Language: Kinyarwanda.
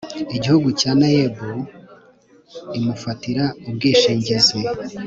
Igihugu cya NAEB imufatira ubwishingizi